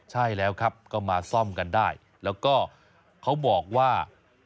ใช่แล้วครับก็มาซ่อมกันได้แล้วก็เขาบอกว่า